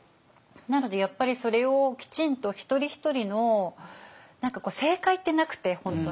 なのでやっぱりそれをきちんと一人一人の正解ってなくて本当に。